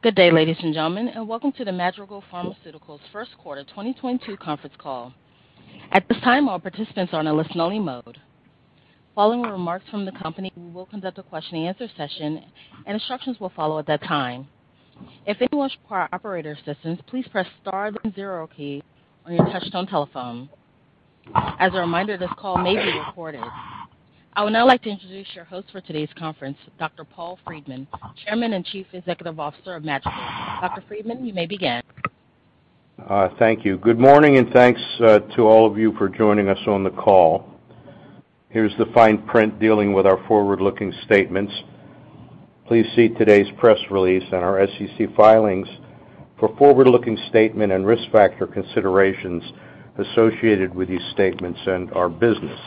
Good day, ladies and gentlemen, and welcome to the Madrigal Pharmaceuticals first quarter 2022 conference call. At this time, all participants are in a listen-only mode. Following remarks from the company, we will conduct a question and answer session and instructions will follow at that time. If anyone requires operator assistance, please press star then zero key on your touchtone telephone. As a reminder, this call may be recorded. I would now like to introduce your host for today's conference, Dr. Paul Friedman, Chairman and Chief Executive Officer of Madrigal. Dr. Friedman, you may begin. Thank you. Good morning, and thanks to all of you for joining us on the call. Here's the fine print dealing with our forward-looking statements. Please see today's press release and our SEC filings for forward-looking statement and risk factor considerations associated with these statements and our business.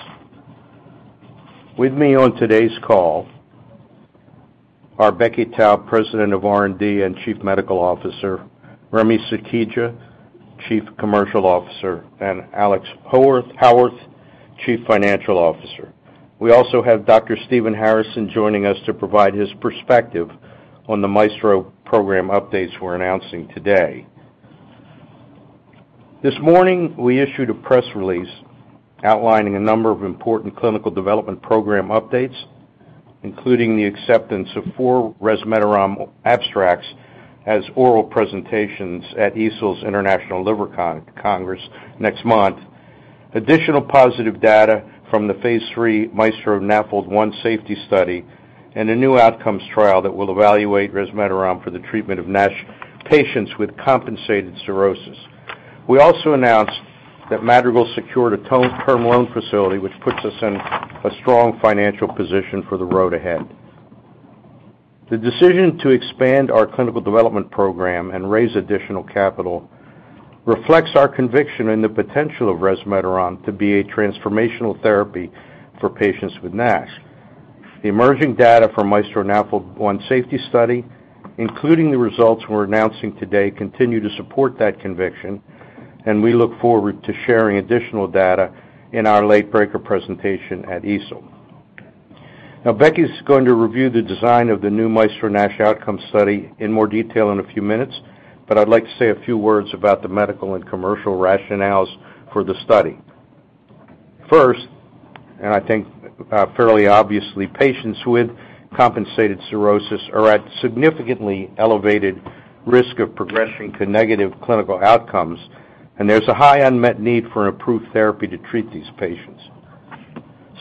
With me on today's call are Becky Taub, President of R&D and Chief Medical Officer, Remy Sukhija, Chief Commercial Officer, and Alex Howarth, Chief Financial Officer. We also have Dr. Stephen Harrison joining us to provide his perspective on the MAESTRO program updates we're announcing today. This morning, we issued a press release outlining a number of important clinical development program updates, including the acceptance of four resmetirom abstracts as oral presentations at EASL's International Liver Congress next month. Additional positive data from the phase III MAESTRO-NAFLD-1 safety study and a new outcomes trial that will evaluate resmetirom for the treatment of NASH patients with compensated cirrhosis. We also announced that Madrigal secured a term loan facility which puts us in a strong financial position for the road ahead. The decision to expand our clinical development program and raise additional capital reflects our conviction in the potential of resmetirom to be a transformational therapy for patients with NASH. The emerging data from MAESTRO-NAFLD-1 safety study, including the results we're announcing today, continue to support that conviction, and we look forward to sharing additional data in our late-breaking presentation at EASL. Now, Becky is going to review the design of the new MAESTRO-NASH Outcomes study in more detail in a few minutes, but I'd like to say a few words about the medical and commercial rationales for the study. First, and I think, fairly obviously, patients with compensated cirrhosis are at significantly elevated risk of progressing to negative clinical outcomes, and there's a high unmet need for an approved therapy to treat these patients.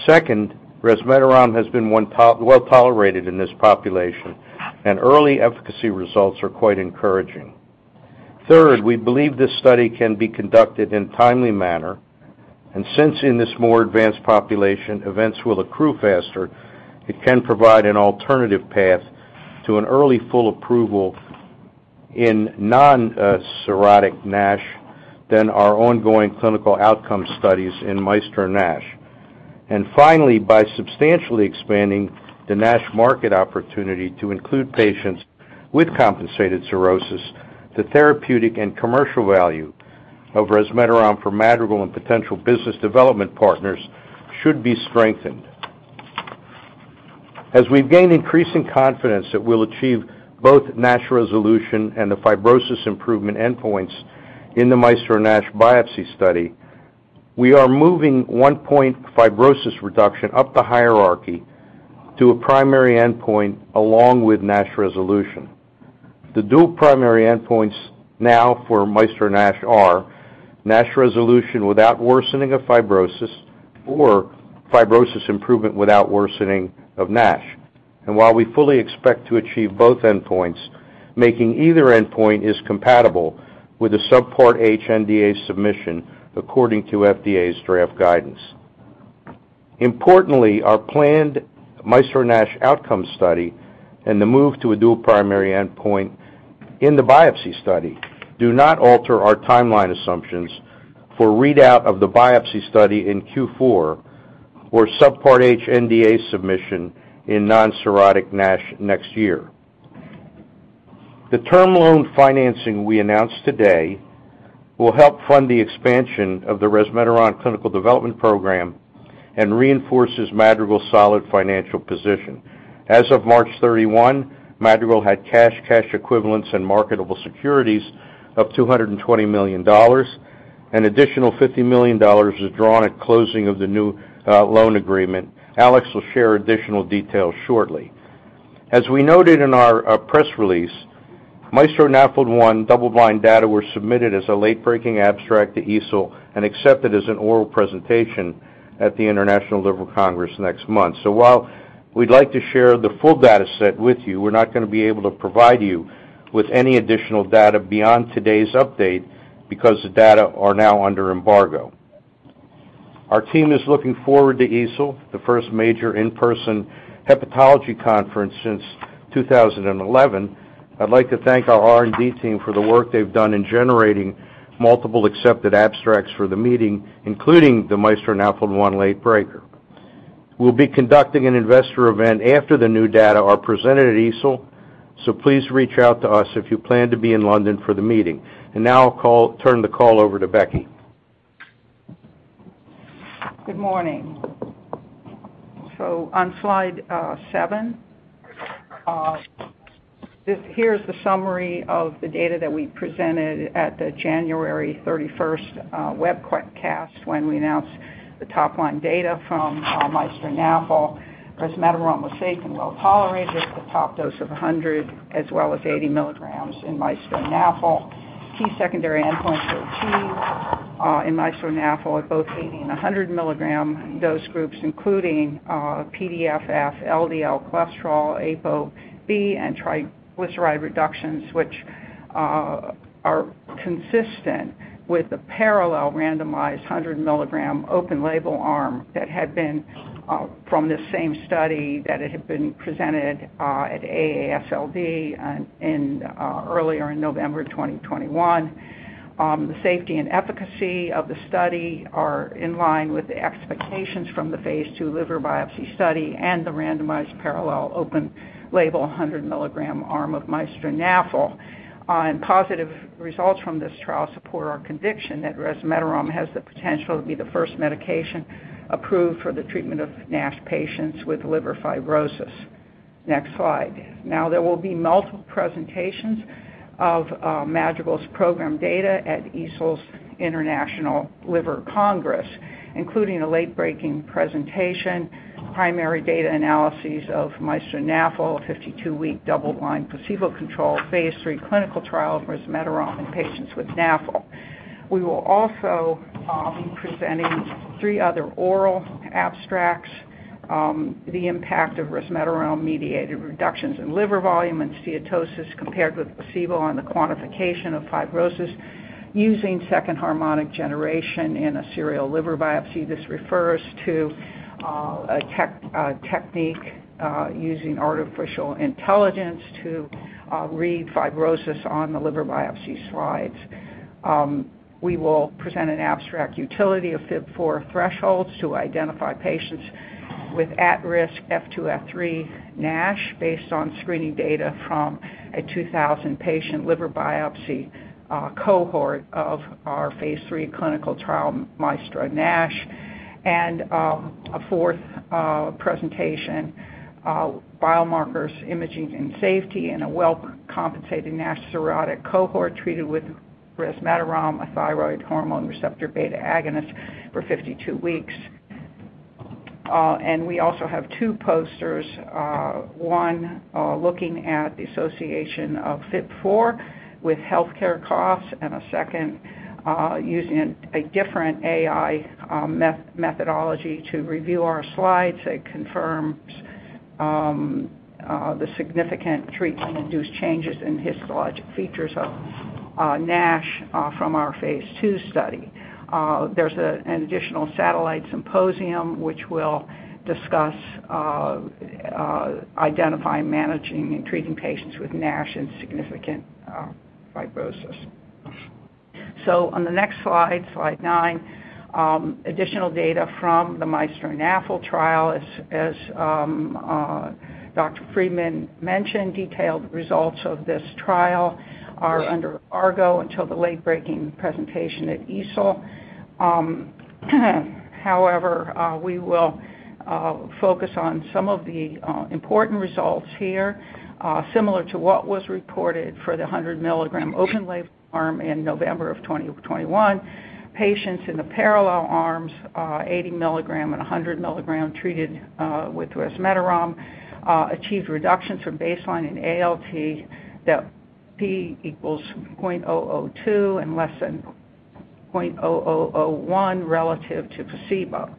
Second, resmetirom has been well-tolerated in this population, and early efficacy results are quite encouraging. Third, we believe this study can be conducted in a timely manner, and since in this more advanced population, events will accrue faster, it can provide an alternative path to an early full approval in noncirrhotic NASH than our ongoing clinical outcome studies in MAESTRO-NASH. Finally, by substantially expanding the NASH market opportunity to include patients with compensated cirrhosis, the therapeutic and commercial value of resmetirom for Madrigal and potential business development partners should be strengthened. As we've gained increasing confidence that we'll achieve both NASH resolution and the fibrosis improvement endpoints in the MAESTRO-NASH biopsy study, we are moving one point fibrosis reduction up the hierarchy to a primary endpoint along with NASH resolution. The dual primary endpoints now for MAESTRO-NASH are NASH resolution without worsening of fibrosis or fibrosis improvement without worsening of NASH. While we fully expect to achieve both endpoints, making either endpoint is compatible with a Subpart H NDA submission according to FDA's draft guidance. Importantly, our planned MAESTRO-NASH Outcomes study and the move to a dual primary endpoint in the biopsy study do not alter our timeline assumptions for readout of the biopsy study in Q4 or Subpart H NDA submission in non-cirrhotic NASH next year. The term loan financing we announced today will help fund the expansion of the resmetirom clinical development program and reinforces Madrigal's solid financial position. As of March 31, Madrigal had cash equivalents and marketable securities of $220 million. An additional $50 million was drawn at closing of the new loan agreement. Alex will share additional details shortly. As we noted in our press release, MAESTRO-NAFLD-1 double-blind data were submitted as a late-breaking abstract to EASL and accepted as an oral presentation at the International Liver Congress next month. While we'd like to share the full data set with you, we're not gonna be able to provide you with any additional data beyond today's update because the data are now under embargo. Our team is looking forward to EASL, the first major in-person hepatology conference since 2011. I'd like to thank our R&D team for the work they've done in generating multiple accepted abstracts for the meeting, including the MAESTRO-NAFLD-1 late breaker. We'll be conducting an investor event after the new data are presented at EASL, so please reach out to us if you plan to be in London for the meeting. Now I'll turn the call over to Becky. Good morning. On slide seven, this here is the summary of the data that we presented at the January thirty-first webcast when we announced the top-line data from MAESTRO-NAFLD-1. Resmetirom was safe and well-tolerated at the top dose of 100 as well as 80 mg in MAESTRO-NAFLD-1. Key secondary endpoints were achieved in MAESTRO-NAFLD-1 at both 80 and 100-mg dose groups, including PDFF, LDL cholesterol, ApoB, and triglyceride reductions, which are consistent with the parallel randomized 100-mg open label arm that had been from this same study that it had been presented at AASLD and in earlier in November 2021. The safety and efficacy of the study are in line with the expectations from the phase II liver biopsy study and the randomized parallel open label 100-mg arm of MAESTRO-NAFLD-1. Positive results from this trial support our conviction that resmetirom has the potential to be the first medication approved for the treatment of NASH patients with liver fibrosis. Next slide. Now there will be multiple presentations of Madrigal's program data at EASL's International Liver Congress, including a late-breaking presentation, primary data analyses of MAESTRO-NAFL, a 52-week double-blind placebo-controlled phase III clinical trial of resmetirom in patients with NAFL. We will also be presenting three other oral abstracts, the impact of resmetirom-mediated reductions in liver volume and steatosis compared with placebo and the quantification of fibrosis using second harmonic generation in a serial liver biopsy. This refers to a technique using artificial intelligence to read fibrosis on the liver biopsy slides. We will present an abstract utility of FIB-4 thresholds to identify patients with at-risk F2, F3 NASH based on screening data from a 2,000-patient liver biopsy cohort of our phase III clinical trial, MAESTRO-NASH. A fourth presentation, biomarkers, imaging, and safety in a well-compensated NASH cirrhotic cohort treated with resmetirom, a thyroid hormone receptor beta agonist for 52 weeks. We also have two posters, one looking at the association of FIB-4 with healthcare costs and a second using a different AI methodology to review our slides that confirms the significant treatment-induced changes in histologic features of NASH from our phase II study. There's an additional satellite symposium which will discuss identifying, managing, and treating patients with NASH and significant fibrosis. On the next slide nine, additional data from the MAESTRO-NAFL trial. As Dr. Friedman mentioned, detailed results of this trial are under embargo until the late-breaking presentation at EASL. However, we will focus on some of the important results here, similar to what was reported for the 100-mg open label arm in November 2021. Patients in the parallel arms, 80 mg and 100 mg treated, with resmetirom, achieved reductions from baseline in ALT that P equals 0.002 and less than 0.0001 relative to placebo.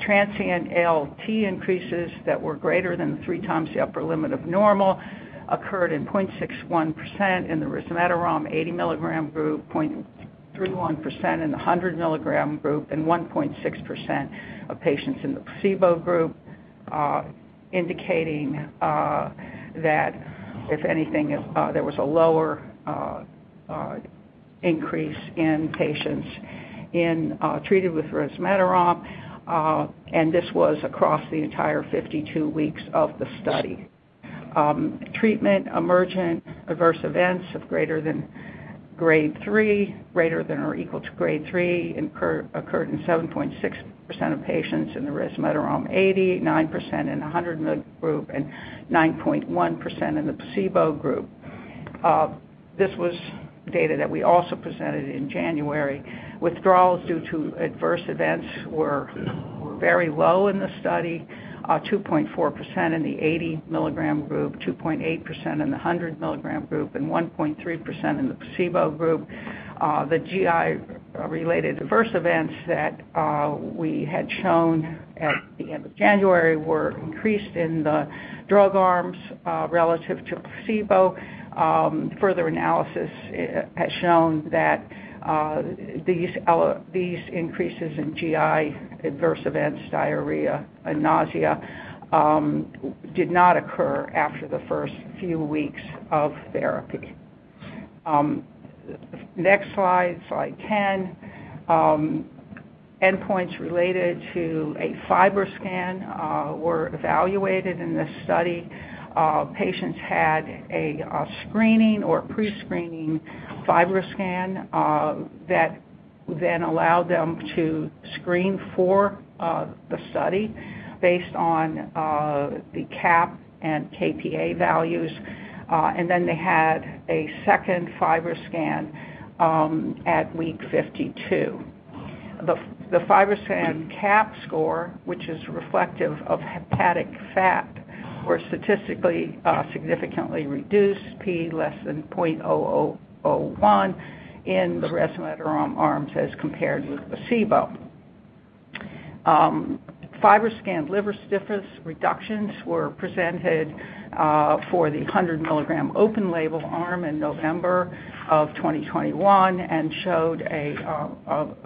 Transient ALT increases that were greater than three times the upper limit of normal occurred in 0.61% in the resmetirom 80-mg group, 0.31% in the 100-mg group, and 1.6% of patients in the placebo group, indicating that if anything, there was a lower increase in patients treated with resmetirom, and this was across the entire 52 weeks of the study. Treatment emergent adverse events of greater than grade three, greater than or equal to grade three occurred in 7.6% of patients in the resmetirom 80-mg, 9% in the 100 mg group, and 9.1% in the placebo group. This was data that we also presented in January. Withdrawals due to adverse events were very low in the study, 2.4% in the 80-mg group, 2.8% in the 100-milligram group, and 1.3% in the placebo group. The GI related adverse events that we had shown at the end of January were increased in the drug arms relative to placebo. Further analysis has shown that these increases in GI adverse events, diarrhea and nausea, did not occur after the first few weeks of therapy. Next slide ten. Endpoints related to a FibroScan were evaluated in this study. Patients had a screening or pre-screening FibroScan that we then allowed them to screen for the study based on the CAP and kPa values and then they had a second FibroScan at week 52. The FibroScan CAP score, which is reflective of hepatic fat, were statistically significantly reduced P < 0.0001 in the resmetirom arms as compared with placebo. FibroScan liver stiffness reductions were presented for the 100 mg open label arm in November 2021 and showed a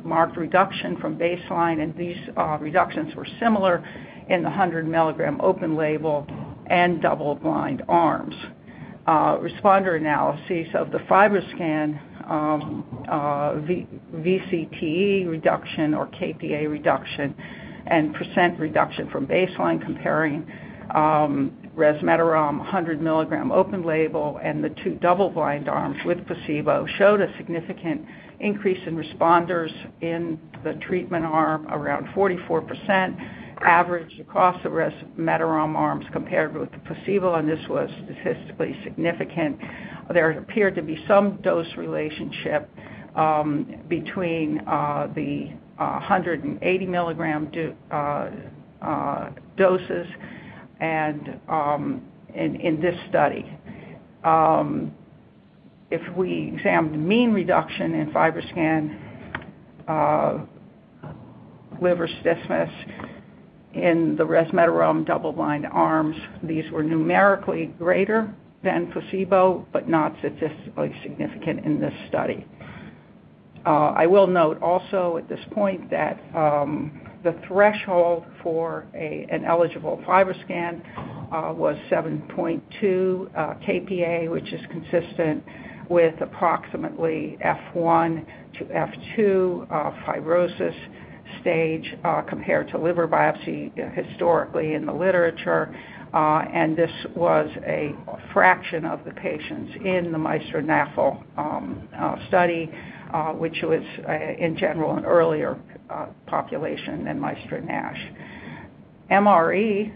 marked reduction from baseline, and these reductions were similar in the 100 mg open label and double blind arms. Responder analyses of the FibroScan, VCTE reduction or kPa reduction and percent reduction from baseline comparing resmetirom 100 mg open label and the two double blind arms with placebo showed a significant increase in responders in the treatment arm, around 44% average across the resmetirom arms compared with the placebo, and this was statistically significant. There appeared to be some dose relationship between the 180 mg doses in this study. If we examine the mean reduction in FibroScan liver stiffness in the resmetirom double blind arms, these were numerically greater than placebo, but not statistically significant in this study. I will note also at this point that the threshold for an eligible FibroScan was 7.2 kPa, which is consistent with approximately F1-F2 fibrosis stage compared to liver biopsy historically in the literature, and this was a fraction of the patients in the MAESTRO-NAFLD-1 study, which was in general an earlier population than MAESTRO-NASH. MRE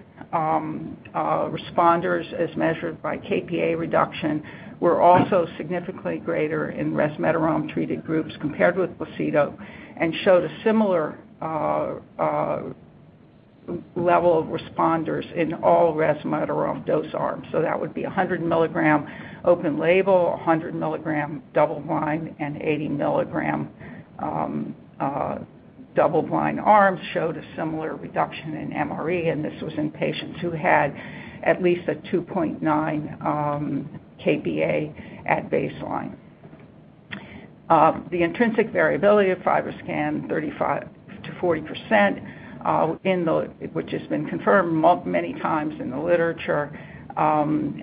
responders as measured by kPa reduction were also significantly greater in resmetirom-treated groups compared with placebo and showed a similar level of responders in all resmetirom dose arms. That would be 100 mg open label, 100 mg double blind, and 80 mg double blind arms showed a similar reduction in MRE, and this was in patients who had at least 2.9 kPa at baseline. The intrinsic variability of FibroScan, 35%-40%, which has been confirmed many times in the literature,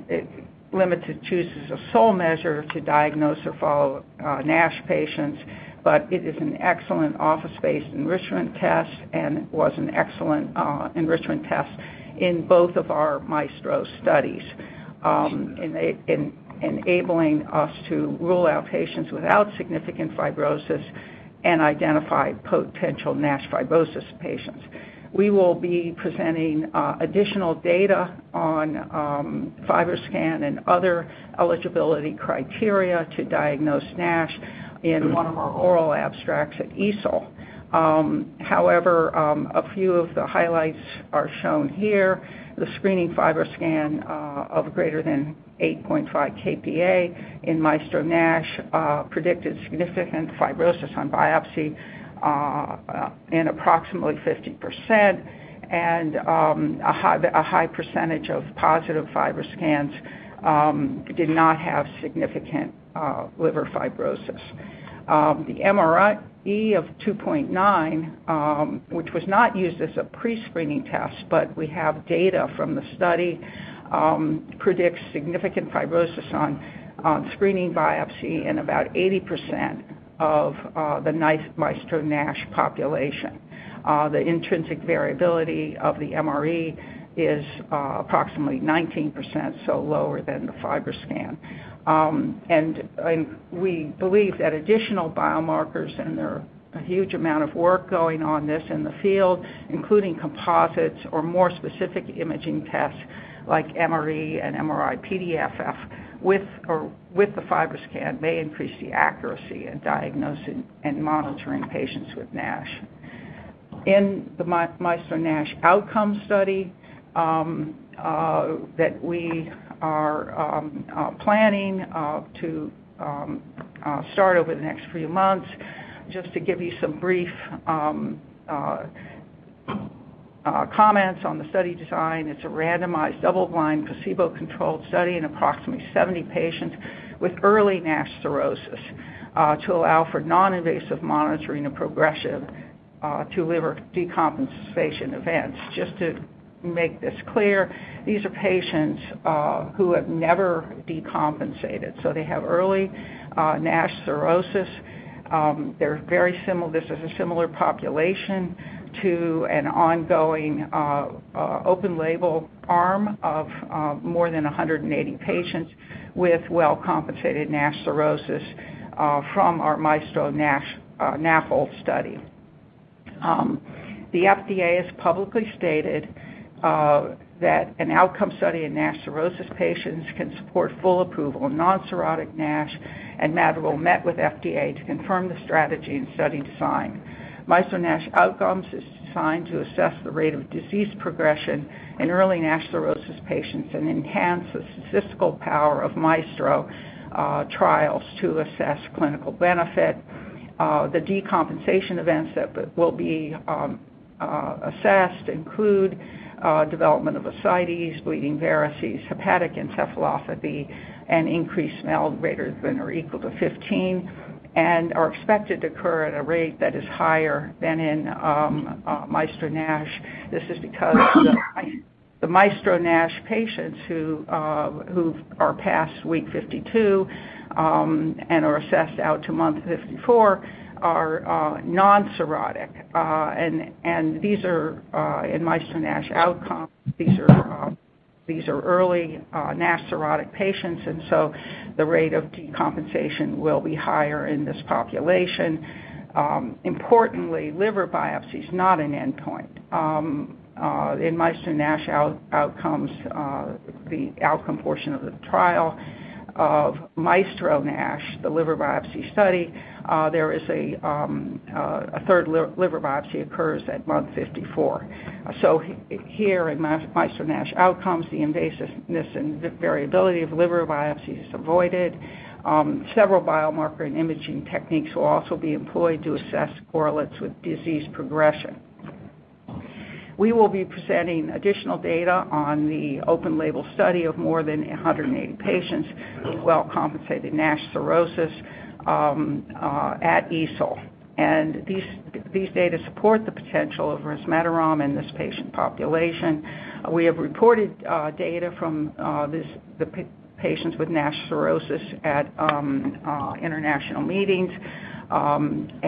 it limited choices of sole measure to diagnose or follow NASH patients, but it is an excellent office-based enrichment test and was an excellent enrichment test in both of our MAESTRO studies, enabling us to rule out patients without significant fibrosis and identify potential NASH fibrosis patients. We will be presenting additional data on FibroScan and other eligibility criteria to diagnose NASH in one of our oral abstracts at EASL. However, a few of the highlights are shown here. The screening FibroScan of greater than 8.5 kPa in MAESTRO-NASH predicted significant fibrosis on biopsy in approximately 50% and a high percentage of positive FibroScans did not have significant liver fibrosis. The MRE of 2.9, which was not used as a pre-screening test, but we have data from the study, predicts significant fibrosis on screening biopsy in about 80% of the entire MAESTRO-NASH population. The intrinsic variability of the MRE is approximately 19%, so lower than the FibroScan. We believe that additional biomarkers, and there are a huge amount of work going on in this field, including composites or more specific imaging tests like MRE and MRI-PDFF with the FibroScan may increase the accuracy in diagnosing and monitoring patients with NASH. In the MAESTRO-NASH Outcomes study that we are planning to start over the next few months, just to give you some brief comments on the study design. It's a randomized double-blind placebo-controlled study in approximately 70 patients with early NASH cirrhosis to allow for non-invasive monitoring of progression to liver decompensation events. Just to make this clear, these are patients who have never decompensated, so they have early NASH cirrhosis. They're very similar. This is a similar population to an ongoing open label arm of more than 180 patients with well-compensated NASH cirrhosis from our MAESTRO-NASH NAFL study. The FDA has publicly stated that an outcome study in NASH cirrhosis patients can support full approval of non-cirrhotic NASH and Madrigal met with FDA to confirm the strategy and study design. MAESTRO-NASH Outcomes is designed to assess the rate of disease progression in early NASH cirrhosis patients and enhance the statistical power of MAESTRO trials to assess clinical benefit. The decompensation events that will be assessed include development of ascites, bleeding varices, hepatic encephalopathy, and increased MELD greater than or equal to 15 and are expected to occur at a rate that is higher than in MAESTRO-NASH. This is because the MAESTRO-NASH patients who are past week 52 and are assessed out to month 54 are non-cirrhotic. These are in MAESTRO-NASH Outcomes early NASH cirrhotic patients, and so the rate of decompensation will be higher in this population. Importantly, liver biopsy is not an endpoint. In MAESTRO-NASH Outcomes, the outcome portion of the trial of MAESTRO-NASH, the liver biopsy study, there is a third liver biopsy occurs at month 54. Here in MAESTRO-NASH Outcomes, the invasiveness and the variability of liver biopsy is avoided. Several biomarker and imaging techniques will also be employed to assess correlates with disease progression. We will be presenting additional data on the open label study of more than 180 patients with well-compensated NASH cirrhosis at EASL. These data support the potential of resmetirom in this patient population. We have reported data from the patients with NASH cirrhosis at international meetings and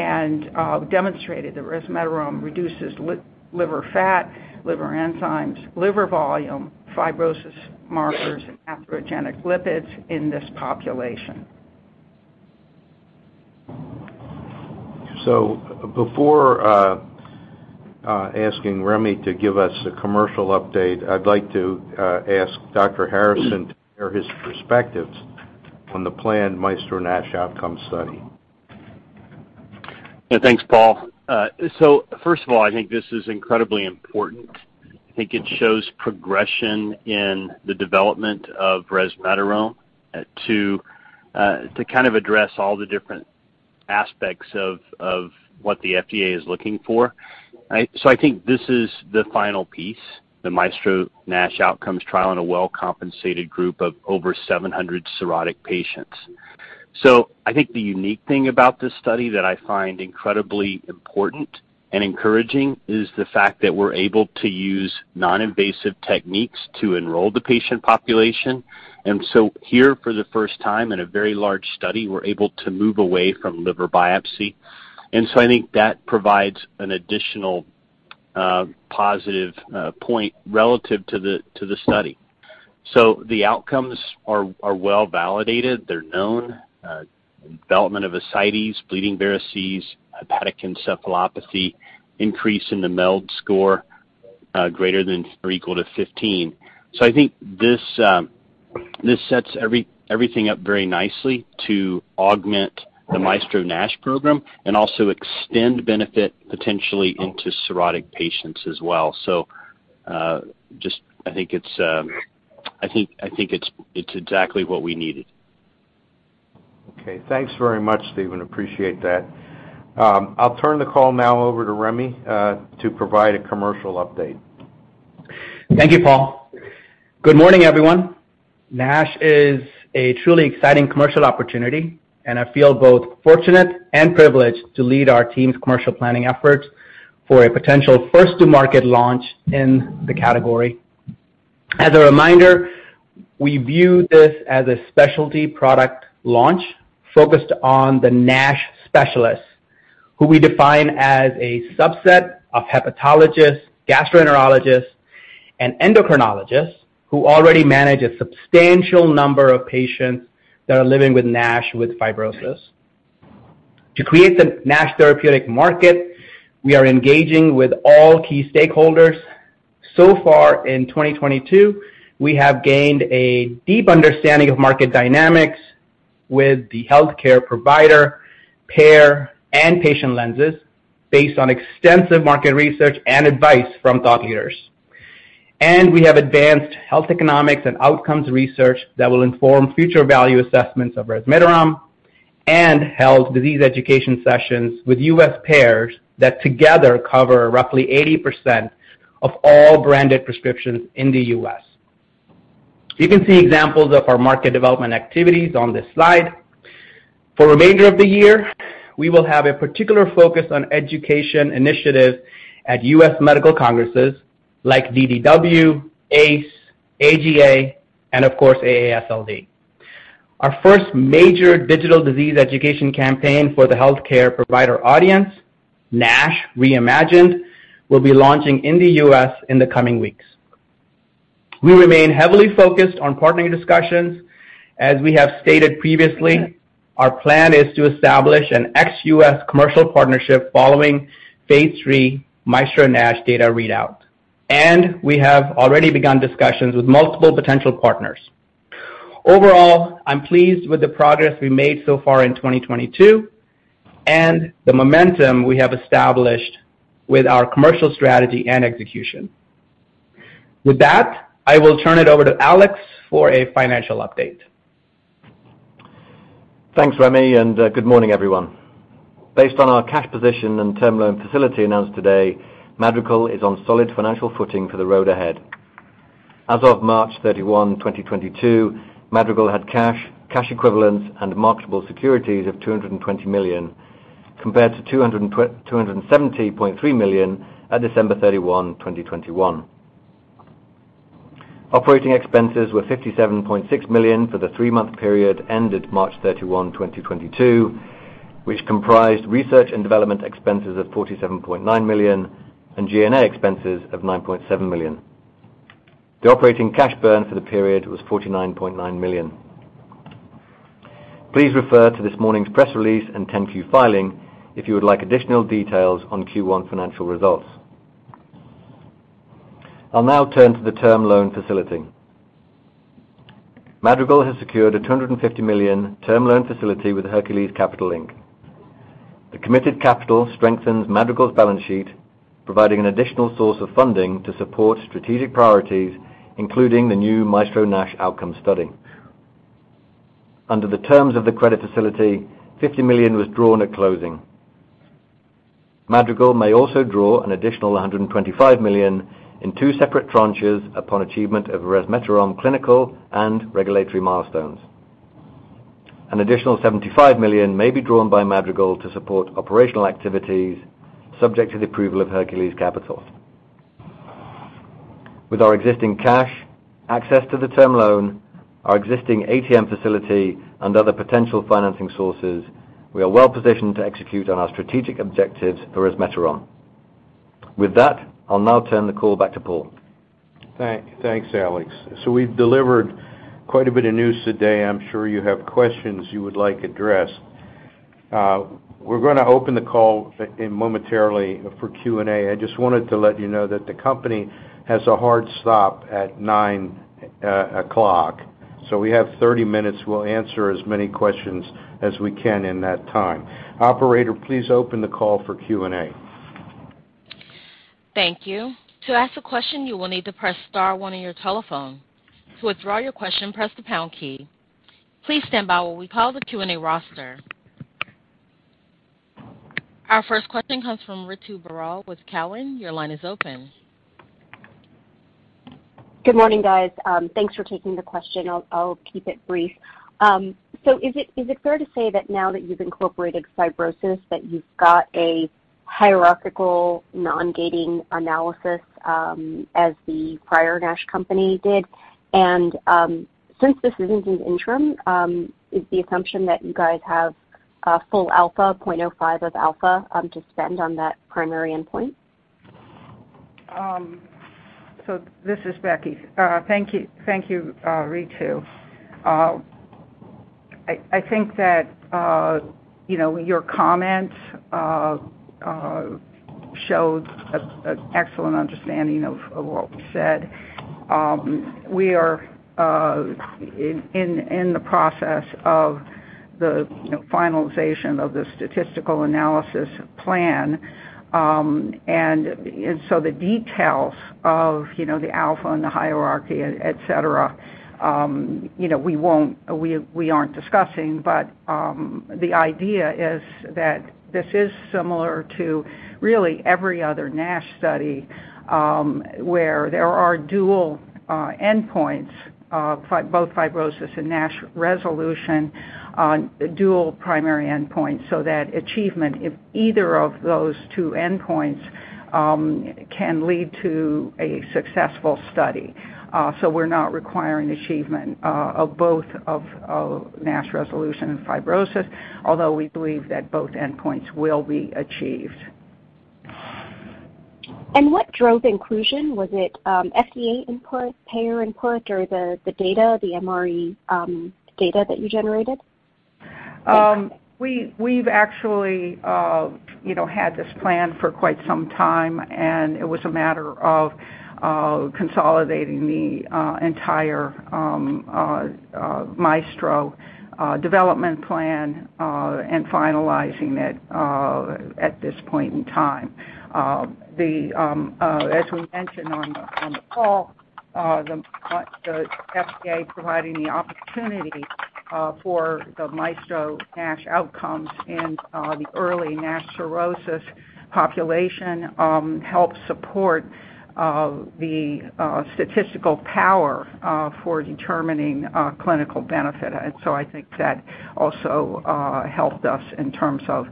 demonstrated that resmetirom reduces liver fat, liver enzymes, liver volume, fibrosis markers, and atherogenic lipids in this population. Before asking Remy to give us a commercial update, I'd like to ask Dr. Harrison to share his perspectives on the planned MAESTRO-NASH Outcomes study. Yeah, thanks, Paul. First of all, I think this is incredibly important. I think it shows progression in the development of resmetirom to kind of address all the different aspects of what the FDA is looking for, right? I think this is the final piece, the MAESTRO-NASH Outcomes trial in a well-compensated group of over 700 cirrhotic patients. I think the unique thing about this study that I find incredibly important and encouraging is the fact that we're able to use non-invasive techniques to enroll the patient population. Here for the first time in a very large study, we're able to move away from liver biopsy. I think that provides an additional positive point relative to the study. The outcomes are well-validated. They're known development of ascites, bleeding varices, hepatic encephalopathy, increase in the MELD score greater than or equal to 15. I think this sets everything up very nicely to augment the MAESTRO NASH program and also extend benefit potentially into cirrhotic patients as well. Just I think it's exactly what we needed. Okay. Thanks very much, Stephen. Appreciate that. I'll turn the call now over to Remy, to provide a commercial update. Thank you, Paul. Good morning, everyone. NASH is a truly exciting commercial opportunity, and I feel both fortunate and privileged to lead our team's commercial planning efforts for a potential first-to-market launch in the category. As a reminder, we view this as a specialty product launch focused on the NASH specialists, who we define as a subset of hepatologists, gastroenterologists, and endocrinologists who already manage a substantial number of patients that are living with NASH with fibrosis. To create the NASH therapeutic market, we are engaging with all key stakeholders. So far in 2022, we have gained a deep understanding of market dynamics with the healthcare provider, payer, and patient lenses based on extensive market research and advice from thought leaders. We have advanced health economics and outcomes research that will inform future value assessments of resmetirom and held disease education sessions with U.S. payers that together cover roughly 80% of all branded prescriptions in the US. You can see examples of our market development activities on this slide. For the remainder of the year, we will have a particular focus on education initiatives at U.S. medical congresses like DDW, ACE, AGA, and of course, AASLD. Our first major digital disease education campaign for the healthcare provider audience, NASH Explored, will be launching in the U.S. in the coming weeks. We remain heavily focused on partnering discussions. As we have stated previously, our plan is to establish an ex-U.S. commercial partnership following phase III MAESTRO-NASH data readout, and we have already begun discussions with multiple potential partners. Overall, I'm pleased with the progress we made so far in 2022 and the momentum we have established with our commercial strategy and execution. With that, I will turn it over to Alex for a financial update. Thanks, Remy, and good morning, everyone. Based on our cash position and term loan facility announced today, Madrigal is on solid financial footing for the road ahead. As of March 31, 2022, Madrigal had cash equivalents, and marketable securities of $220 million, compared to $270.3 million at December 31, 2021. Operating expenses were $57.6 million for the three-month period ended March 31, 2022, which comprised research and development expenses of $47.9 million and G&A expenses of $9.7 million. The operating cash burn for the period was $49.9 million. Please refer to this morning's press release and 10-Q filing if you would like additional details on Q1 financial results. I'll now turn to the term loan facility. Madrigal has secured a $250 million term loan facility with Hercules Capital, Inc. The committed capital strengthens Madrigal's balance sheet, providing an additional source of funding to support strategic priorities, including the new MAESTRO-NASH Outcomes study. Under the terms of the credit facility, $50 million was drawn at closing. Madrigal may also draw an additional $125 million in two separate tranches upon achievement of resmetirom clinical and regulatory milestones. An additional $75 million may be drawn by Madrigal to support operational activities subject to the approval of Hercules Capital. With our existing cash, access to the term loan, our existing ATM facility, and other potential financing sources, we are well positioned to execute on our strategic objectives for resmetirom. With that, I'll now turn the call back to Paul. Thanks, Alex. We've delivered quite a bit of news today. I'm sure you have questions you would like addressed. We're gonna open the call momentarily for Q&A. I just wanted to let you know that the company has a hard stop at 9:00. We have 30 minutes. We'll answer as many questions as we can in that time. Operator, please open the call for Q&A. Thank you. To ask a question, you will need to press star one on your telephone. To withdraw your question, press the pound key. Please stand by while we call the Q&A roster. Our first question comes from Ritu Baral with Cowen. Your line is open. Good morning, guys. Thanks for taking the question. I'll keep it brief. Is it fair to say that now that you've incorporated fibrosis, that you've got a hierarchical non-gating analysis, as the prior NASH company did? Since this isn't an interim, is the assumption that you guys have a full alpha, 0.05 of alpha, to spend on that primary endpoint? This is Becky. Thank you. Thank you, Ritu. I think that you know, your comment shows an excellent understanding of what was said. We are in the process of the you know, finalization of the statistical analysis plan. The details of you know, the alpha and the hierarchy, et cetera, you know, we aren't discussing. The idea is that this is similar to really every other NASH study, where there are dual endpoints, both fibrosis and NASH resolution on dual primary endpoints, so that achievement, if either of those two endpoints, can lead to a successful study. We're not requiring achievement of both NASH resolution and fibrosis, although we believe that both endpoints will be achieved. What drove inclusion? Was it FDA input, payer input, or the data, the MRE data that you generated? We've actually, you know, had this plan for quite some time, and it was a matter of consolidating the entire MAESTRO development plan and finalizing it at this point in time. As we mentioned on the call, the FDA providing the opportunity for the MAESTRO-NASH Outcomes in the early NASH cirrhosis population helps support the statistical power for determining clinical benefit. I think that also helped us in terms of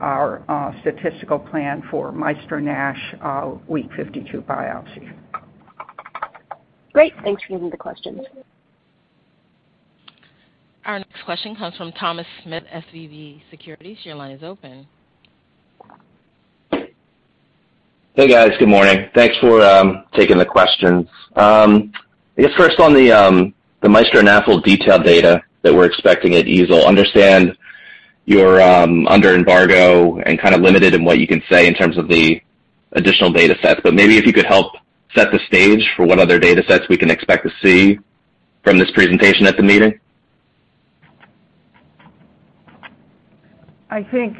our statistical plan for MAESTRO-NASH week 52 biopsy. Great. Thanks for taking the questions. Our next question comes from Thomas Smith, SVB Securities. Your line is open. Hey guys, good morning. Thanks for taking the questions. Just first on the MAESTRO NAFL detailed data that we're expecting at EASL. Understand you're under embargo and kind of limited in what you can say in terms of the additional data sets. Maybe if you could help set the stage for what other data sets we can expect to see from this presentation at the meeting. I think,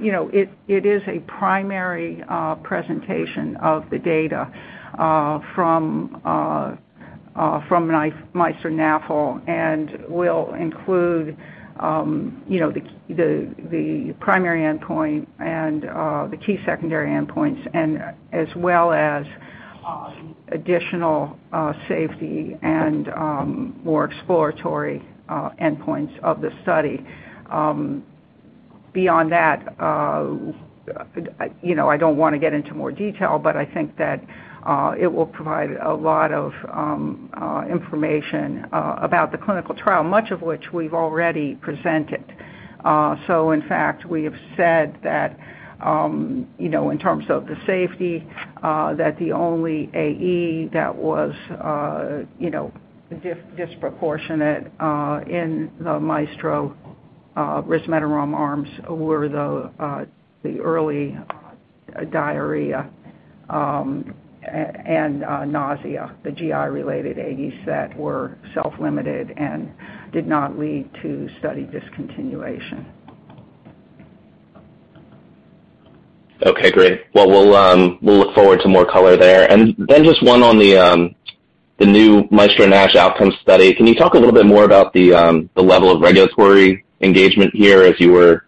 you know, it is a primary presentation of the data from MAESTRO-NAFLD, and will include, you know, the primary endpoint and the key secondary endpoints, and as well as additional safety and more exploratory endpoints of the study. Beyond that, you know, I don't wanna get into more detail, but I think that it will provide a lot of information about the clinical trial, much of which we've already presented. In fact, we have said that, you know, in terms of the safety, that the only AE that was, you know, disproportionate in the MAESTRO resmetirom arms were the early diarrhea and nausea, the GI related AEs that were self-limited and did not lead to study discontinuation. Okay, great. Well, we'll look forward to more color there. Then just one on the new MAESTRO-NASH Outcomes study. Can you talk a little bit more about the level of regulatory engagement here as you were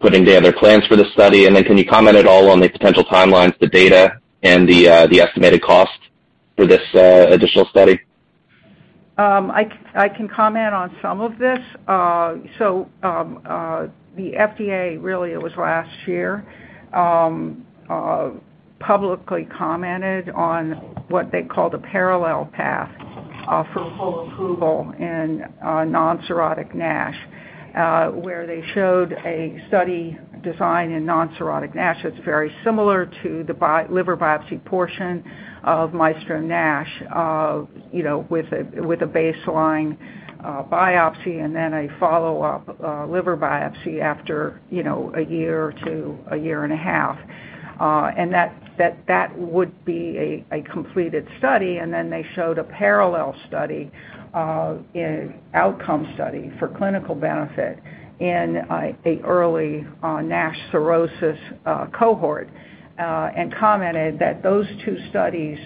putting together plans for the study? Then can you comment at all on the potential timelines, the data and the estimated cost for this additional study? I can comment on some of this. The FDA, really it was last year, publicly commented on what they called a parallel path for full approval in non-cirrhotic NASH, where they showed a study design in non-cirrhotic NASH that's very similar to the liver biopsy portion of MAESTRO-NASH. You know, with a baseline biopsy and then a follow-up liver biopsy after a year to a year and a half. That would be a completed study. Then they showed a parallel outcome study for clinical benefit in an early NASH cirrhosis cohort. Commented that those two studies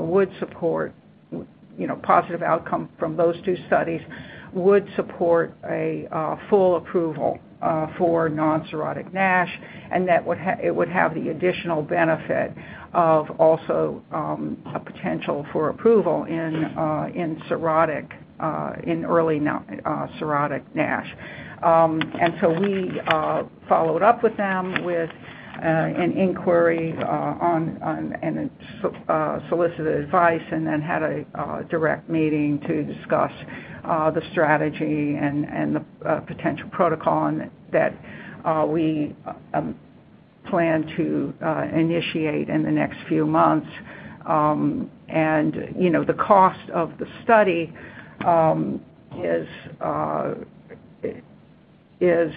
would support, you know, positive outcome from those two studies would support a full approval for non-cirrhotic NASH, and that would have the additional benefit of also a potential for approval in cirrhotic, in early now, cirrhotic NASH. We followed up with them with an inquiry, solicited advice and then had a direct meeting to discuss the strategy and the potential protocol and that we plan to initiate in the next few months. You know, the cost of the study is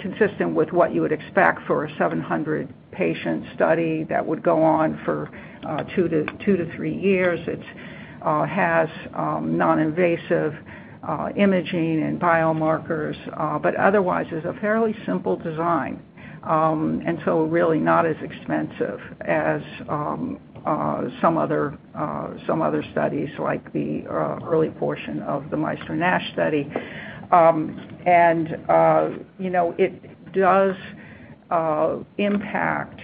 consistent with what you would expect for a 700 patient study that would go on for two to three years. It has non-invasive imaging and biomarkers, but otherwise is a fairly simple design. Really not as expensive as some other studies like the early portion of the MAESTRO-NASH study. You know, it does impact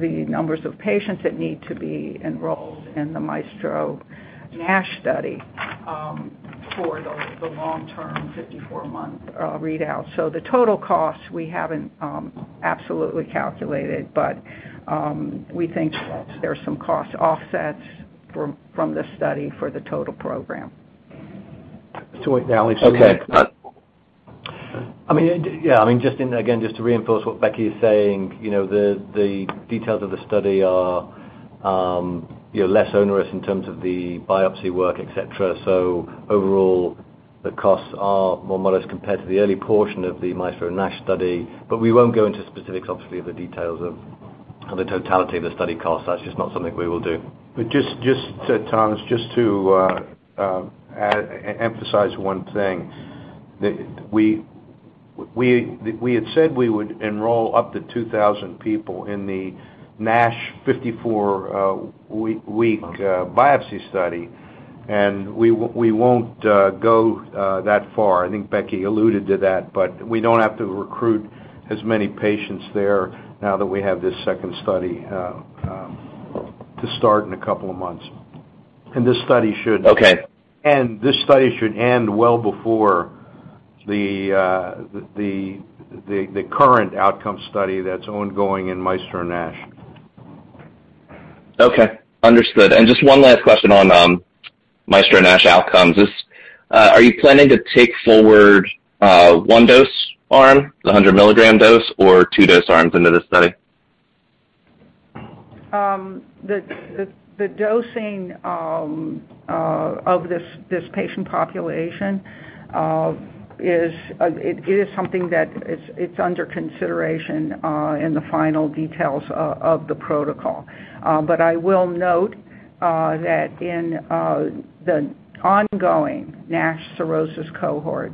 the numbers of patients that need to be enrolled in the MAESTRO-NASH study for the long-term 54-month readout. The total cost we haven't absolutely calculated, but we think there are some cost offsets from this study for the total program. To add what Becky is saying. Okay. I mean, yeah, I mean, just to reinforce what Becky is saying, you know, the details of the study are, you know, less onerous in terms of the biopsy work, et cetera. Overall, the costs are more modest compared to the early portion of the MAESTRO-NASH study. We won't go into specifics, obviously, of the details of the totality of the study cost. That's just not something we will do. Just to Thomas, emphasize one thing. That we had said we would enroll up to 2,000 people in the NASH 54-week biopsy study, and we won't go that far. I think Becky alluded to that, but we don't have to recruit as many patients there now that we have this second study to start in a couple of months. This study should. Okay. This study should end well before the current outcome study that's ongoing in MAESTRO-NASH. Okay, understood. Just one last question on MAESTRO-NASH Outcomes is, are you planning to take forward one dose arm, the 100 mg dose, or two dose arms into this study? The dosing of this patient population is something that it's under consideration in the final details of the protocol. I will note that in the ongoing NASH cirrhosis cohort,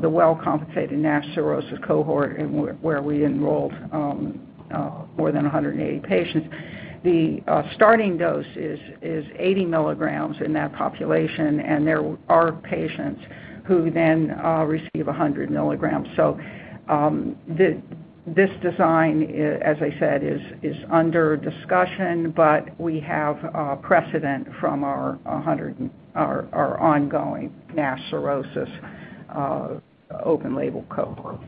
the well-compensated NASH cirrhosis cohort and where we enrolled more than 180 patients, the starting dose is 80 mg in that population, and there are patients who then receive 100 mg. This design, as I said, is under discussion, but we have precedent from our ongoing NASH cirrhosis open label cohort.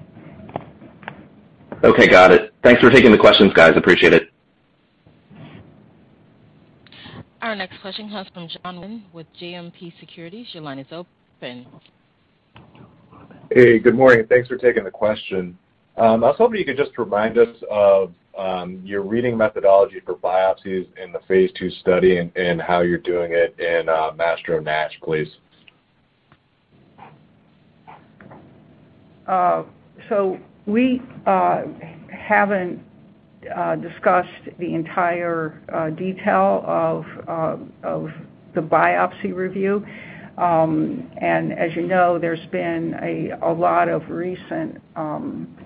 Okay, got it. Thanks for taking the questions, guys. Appreciate it. Our next question comes from Jon Wolleben with JMP Securities. Your line is open. Hey, good morning, and thanks for taking the question. I was hoping you could just remind us of your reading methodology for biopsies in the phase II study and how you're doing it in MAESTRO-NASH, please? We haven't discussed the entire detail of the biopsy review. As you know, there's been a lot of recent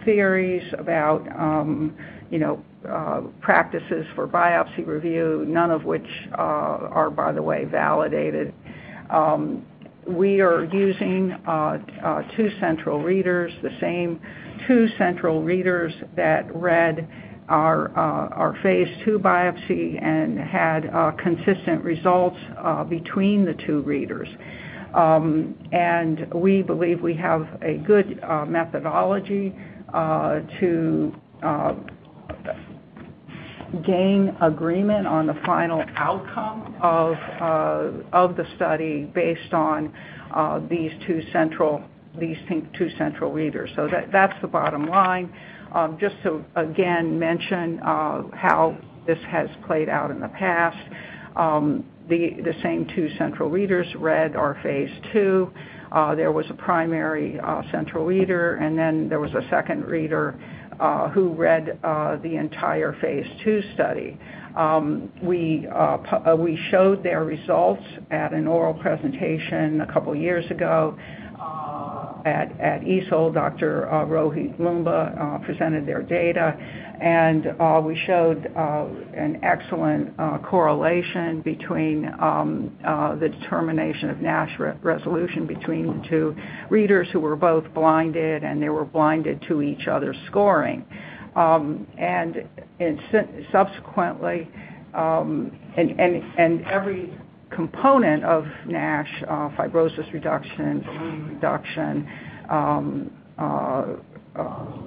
theories about you know practices for biopsy review, none of which are, by the way, validated. We are using two central readers, the same two central readers that read our phase II biopsy and had consistent results between the two readers. We believe we have a good methodology to gain agreement on the final outcome of the study based on these two central readers. That's the bottom line. Just to again mention how this has played out in the past, the same two central readers read our phase II. There was a primary central reader, and then there was a second reader who read the entire phase II study. We showed their results at an oral presentation a couple years ago at EASL. Dr. Rohit Loomba presented their data, and we showed an excellent correlation between the determination of NASH resolution between the two readers who were both blinded, and they were blinded to each other's scoring. Subsequently, every component of NASH, fibrosis reduction, ballooning reduction,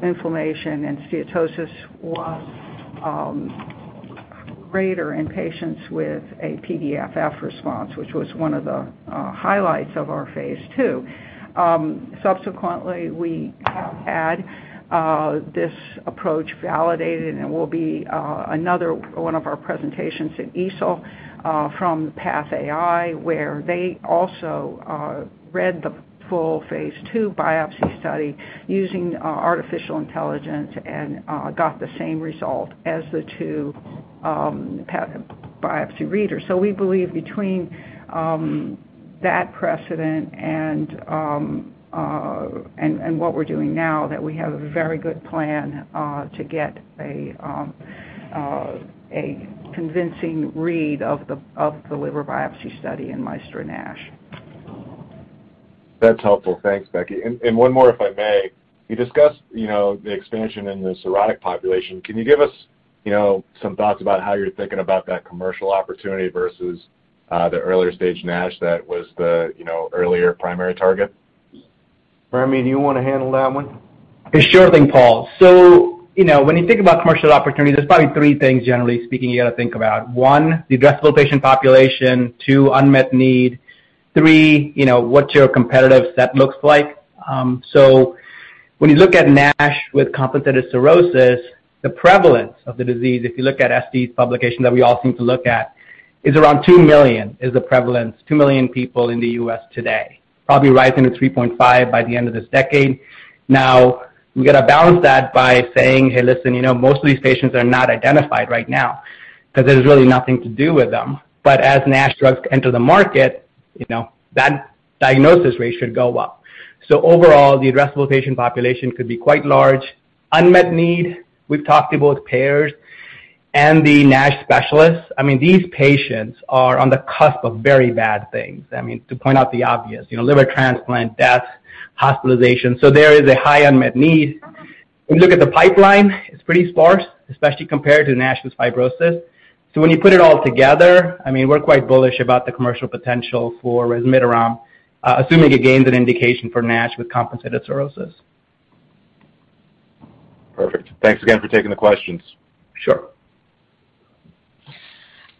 inflammation, and steatosis was greater in patients with a PDFF response, which was one of the highlights of our phase II. Subsequently, we had this approach validated, and it will be another one of our presentations at EASL from PathAI, where they also read the full phase II biopsy study using artificial intelligence and got the same result as the two path-biopsy readers. We believe between that precedent and what we're doing now that we have a very good plan to get a convincing read of the liver biopsy study in MAESTRO-NASH. That's helpful. Thanks, Becky. One more, if I may. You discussed, you know, the expansion in the cirrhotic population. Can you give us, you know, some thoughts about how you're thinking about that commercial opportunity versus the earlier stage NASH that was the, you know, earlier primary target? Remy, do you wanna handle that one? Yeah, sure thing, Paul. You know, when you think about commercial opportunity, there's probably three things generally speaking you gotta think about. One, the addressable patient population. Two, unmet need. Three, you know, what your competitive set looks like. When you look at NASH with compensated cirrhosis, the prevalence of the disease, if you look at SD's publication that we all seem to look at, is around two million is the prevalence, two million people in the U.S. today, probably rising to 3.5 by the end of this decade. Now, you gotta balance that by saying, "Hey, listen, you know, most of these patients are not identified right now 'cause there's really nothing to do with them." As NASH drugs enter the market, you know, that diagnosis rate should go up. Overall, the addressable patient population could be quite large. Unmet need, we've talked to both payers and the NASH specialists. I mean, these patients are on the cusp of very bad things. I mean, to point out the obvious, you know, liver transplant, death, hospitalization. So there is a high unmet need. If you look at the pipeline, it's pretty sparse, especially compared to NASH with fibrosis. So when you put it all together, I mean, we're quite bullish about the commercial potential for resmetirom, assuming it gains an indication for NASH with compensated cirrhosis. Perfect. Thanks again for taking the questions. Sure.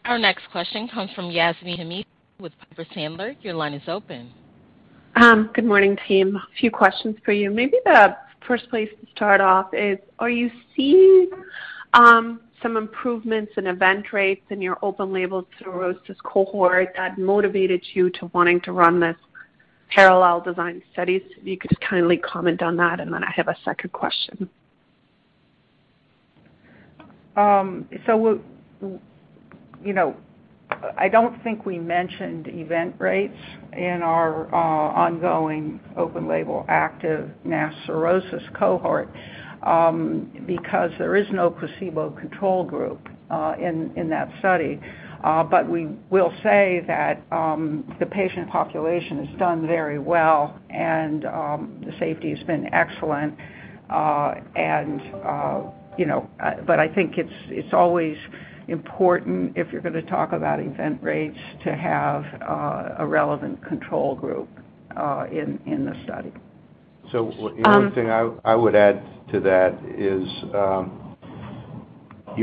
Our next question comes from Yasmeen Rahimi with Piper Sandler. Your line is open. Good morning, team. A few questions for you. Maybe the first place to start off is, are you seeing some improvements in event rates in your open label cirrhosis cohort that motivated you to wanting to run this parallel design studies? If you could just kindly comment on that, and then I have a second question. You know, I don't think we mentioned event rates in our ongoing open label active NASH cirrhosis cohort because there is no placebo control group in that study. We will say that the patient population has done very well, and the safety has been excellent. You know, I think it's always important if you're gonna talk about event rates to have a relevant control group in the study. The only thing I would add to that is,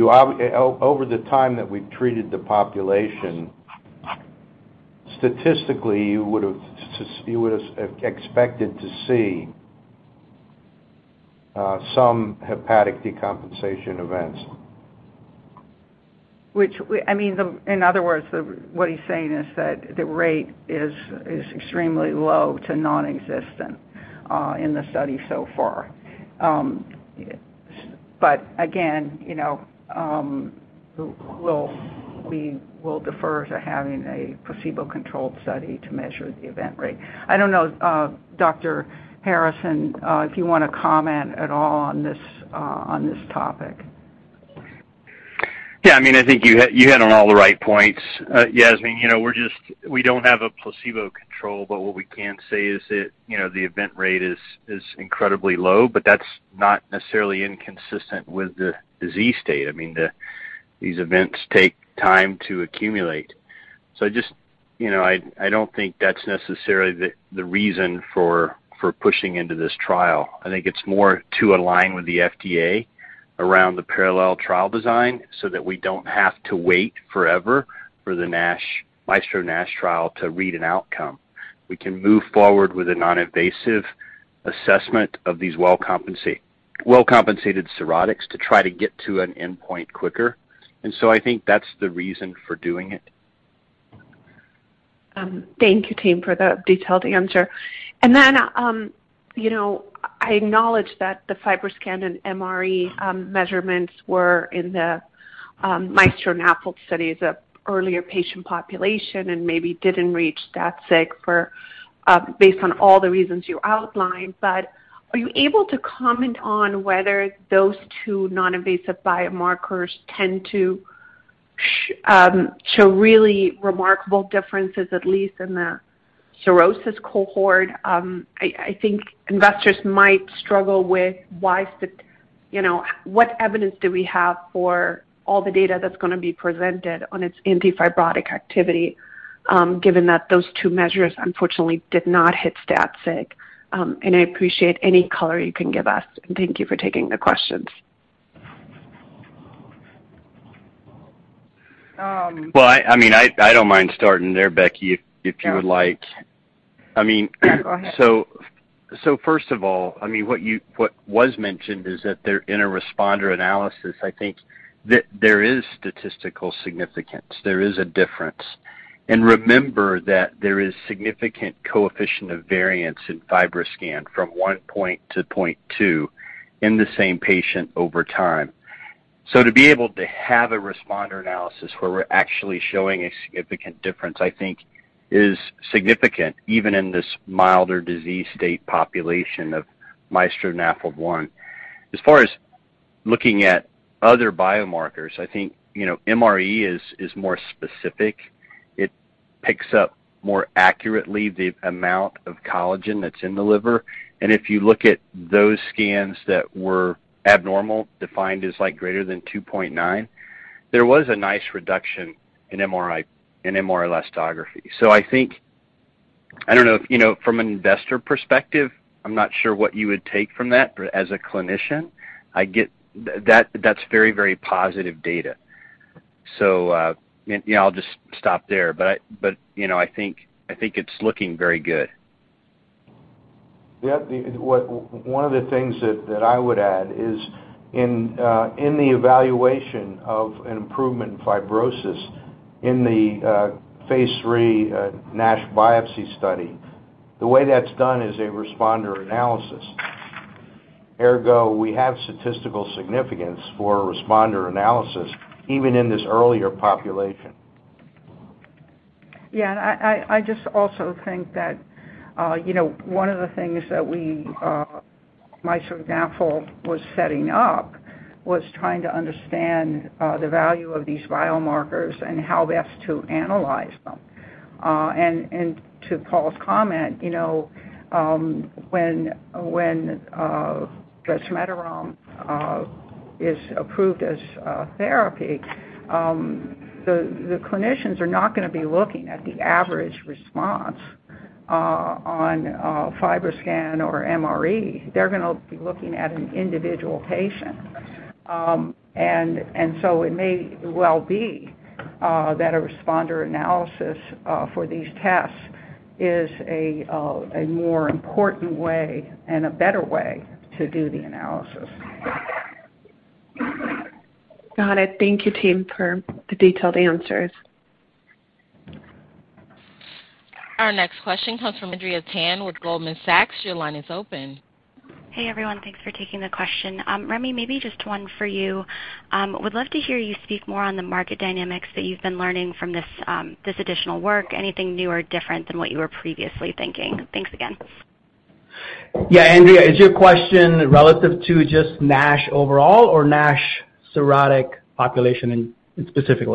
obviously over the time that we've treated the population, statistically, you would have expected to see some hepatic decompensation events. I mean, in other words, what he's saying is that the rate is extremely low to non-existent in the study so far. But again, you know, we will defer to having a placebo-controlled study to measure the event rate. I don't know, Dr. Harrison, if you wanna comment at all on this topic. Yeah. I mean, I think you hit on all the right points, Yasmin. You know, we don't have a placebo control, but what we can say is that, you know, the event rate is incredibly low, but that's not necessarily inconsistent with the disease state. I mean, these events take time to accumulate. I just, you know, I don't think that's necessarily the reason for pushing into this trial. I think it's more to align with the FDA around the parallel trial design so that we don't have to wait forever for the NASH MAESTRO-NASH trial to read an outcome. We can move forward with a non-invasive assessment of these well-compensated cirrhotics to try to get to an endpoint quicker. I think that's the reason for doing it. Thank you, team, for the detailed answer. You know, I acknowledge that the FibroScan and MRE measurements were in the MAESTRO-NAFLD studies of earlier patient population and maybe didn't reach that stat sig based on all the reasons you outlined. Are you able to comment on whether those two non-invasive biomarkers tend to show really remarkable differences, at least in the cirrhosis cohort? I think investors might struggle with why, you know, what evidence do we have for all the data that's gonna be presented on its antifibrotic activity, given that those two measures unfortunately did not hit stat sig? I appreciate any color you can give us. Thank you for taking the questions. Um- Well, I mean, I don't mind starting there, Becky, if you would like. Yeah. I mean- Go ahead. First of all, I mean, what was mentioned is that they're in a responder analysis. I think that there is statistical significance. There is a difference. Remember that there is significant coefficient of variation in FibroScan from one point to point two in the same patient over time. To be able to have a responder analysis where we're actually showing a significant difference, I think is significant even in this milder disease state population of MAESTRO-NAFLD-1. As far as looking at other biomarkers, I think, you know, MRE is more specific. It picks up more accurately the amount of collagen that's in the liver. If you look at those scans that were abnormal, defined as, like, greater than 2.9, there was a nice reduction in MR elastography. I think. I don't know if you know, from an investor perspective, I'm not sure what you would take from that. As a clinician, I get that that's very, very positive data. You know, I'll just stop there. You know, I think it's looking very good. Yeah. One of the things that I would add is in the evaluation of an improvement in fibrosis in the phase III NASH biopsy study, the way that's done is a responder analysis. Ergo, we have statistical significance for responder analysis even in this earlier population. Yeah. I just also think that, you know, one of the things that we, MAESTRO NAFL was setting up was trying to understand the value of these biomarkers and how best to analyze them. To Paul's comment, you know, when resmetirom is approved as a therapy, the clinicians are not gonna be looking at the average response on FibroScan or MRE, they're gonna be looking at an individual patient. It may well be that a responder analysis for these tests is a more important way and a better way to do the analysis. Got it. Thank you, team, for the detailed answers. Our next question comes from Andrea Tan with Goldman Sachs. Your line is open. Hey, everyone. Thanks for taking the question. Remy, maybe just one for you. Would love to hear you speak more on the market dynamics that you've been learning from this additional work. Anything new or different than what you were previously thinking? Thanks again. Yeah. Andrea, is your question relative to just NASH overall or NASH cirrhotic population in specific?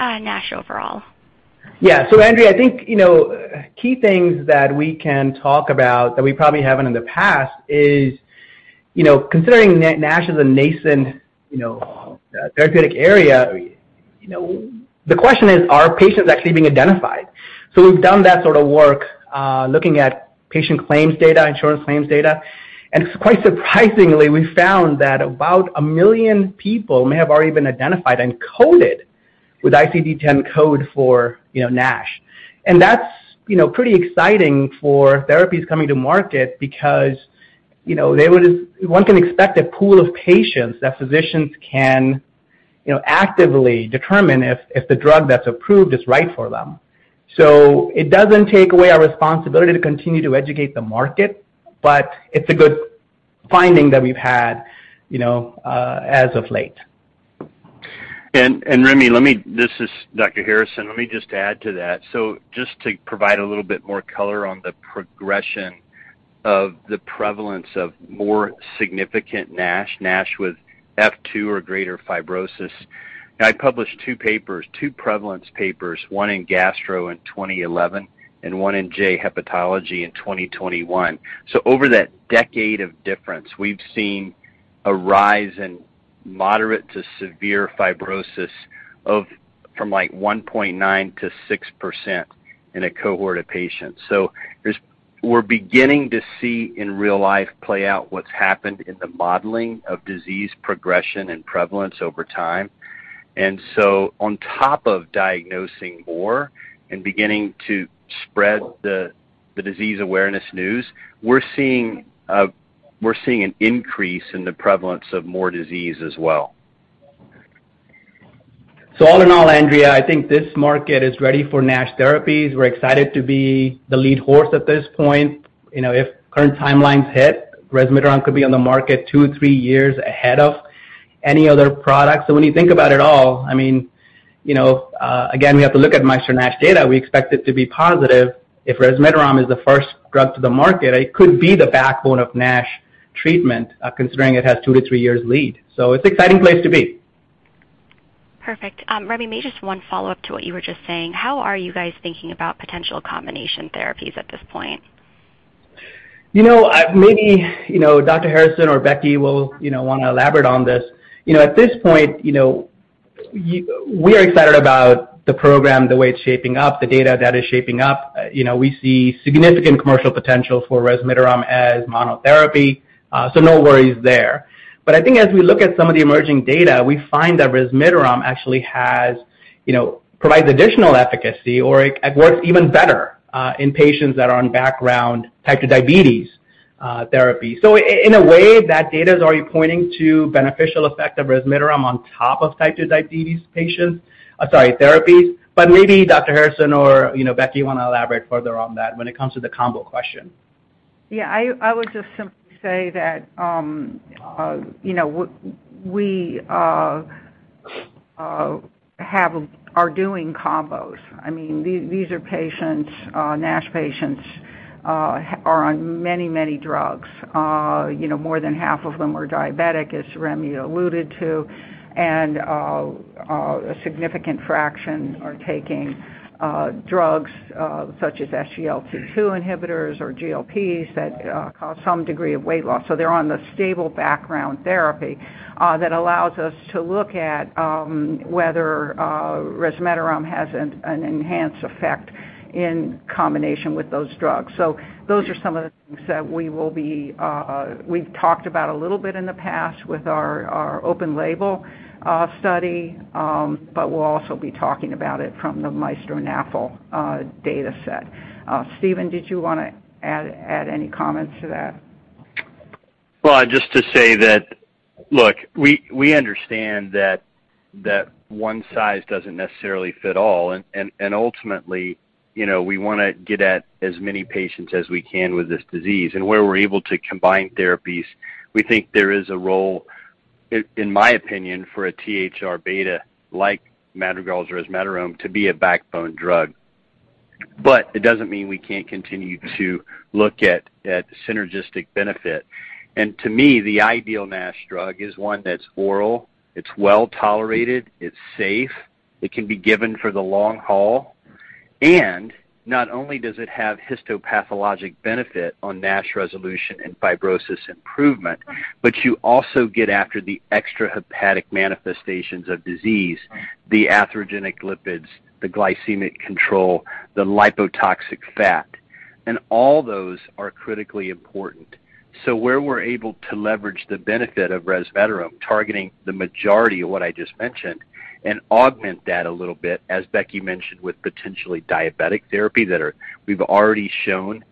NASH overall. Yeah. Andrea, I think, you know, key things that we can talk about that we probably haven't in the past is, you know, considering NASH as a nascent, you know, therapeutic area, you know, the question is, are patients actually being identified? We've done that sort of work, looking at patient claims data, insurance claims data, and quite surprisingly, we found that about one million people may have already been identified and coded with ICD-10 code for, you know, NASH. That's, you know, pretty exciting for therapies coming to market because, you know, one can expect a pool of patients that physicians can, you know, actively determine if the drug that's approved is right for them. It doesn't take away our responsibility to continue to educate the market, but it's a good finding that we've had, you know, as of late. This is Dr. Stephen Harrison. Let me just add to that. Just to provide a little bit more color on the progression of the prevalence of more significant NASH with F2 or greater fibrosis. I published two papers, two prevalence papers, one in Gastro in 2011 and one in J Hepatology in 2021. Over that decade of difference, we've seen a rise in moderate to severe fibrosis from, like, 1.9%-6% in a cohort of patients. We're beginning to see in real life play out what's happened in the modeling of disease progression and prevalence over time. On top of diagnosing more and beginning to spread the disease awareness news, we're seeing an increase in the prevalence of more disease as well. All in all, Andrea, I think this market is ready for NASH therapies. We're excited to be the lead horse at this point. You know, if current timelines hit, resmetirom could be on the market two-three years ahead of any other products. When you think about it all, I mean, you know, again, we have to look at MAESTRO NASH data. We expect it to be positive. If resmetirom is the first drug to the market, it could be the backbone of NASH treatment, considering it has two-three years lead. It's an exciting place to be. Perfect. Remy, maybe just one follow-up to what you were just saying. How are you guys thinking about potential combination therapies at this point? You know, maybe, you know, Dr. Stephen Harrison or Becky Taub will, you know, wanna elaborate on this. You know, at this point, you know, we are excited about the program, the way it's shaping up, the data that is shaping up. You know, we see significant commercial potential for resmetirom as monotherapy, so no worries there. I think as we look at some of the emerging data, we find that resmetirom actually has, you know, provides additional efficacy or it works even better in patients that are on background type 2 diabetes therapy. In a way, that data is already pointing to beneficial effect of resmetirom on top of type 2 diabetes therapies. Maybe Dr. Stephen Harrison or, you know, Becky Taub, wanna elaborate further on that when it comes to the combo question. Yeah, I would just simply say that, you know, we are doing combos. I mean, these are patients, NASH patients, are on many drugs. You know, more than half of them are diabetic, as Remy alluded to, and a significant fraction are taking drugs such as SGLT2 inhibitors or GLP-1s that cause some degree of weight loss. So they're on the stable background therapy that allows us to look at whether resmetirom has an enhanced effect in combination with those drugs. So those are some of the things that we've talked about a little bit in the past with our open label study, but we'll also be talking about it from the MAESTRO-NAFL data set. Stephen, did you wanna add any comments to that? Well, just to say that, look, we understand that one size doesn't necessarily fit all, and ultimately, you know, we wanna get at as many patients as we can with this disease. Where we're able to combine therapies, we think there is a role, in my opinion, for a THR-β like Madrigal's resmetirom to be a backbone drug. It doesn't mean we can't continue to look at synergistic benefit. To me, the ideal NASH drug is one that's oral, it's well-tolerated, it's safe, it can be given for the long haul. Not only does it have histopathologic benefit on NASH resolution and fibrosis improvement, but you also get after the extrahepatic manifestations of disease, the atherogenic lipids, the glycemic control, the lipotoxic fat. All those are critically important. Where we're able to leverage the benefit of resmetirom, targeting the majority of what I just mentioned, and augment that a little bit, as Becky mentioned, with potentially diabetic therapy we've already shown